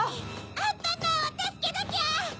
アンパンマンをたすけなきゃ！